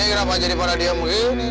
ini kenapa jadi pada diam begini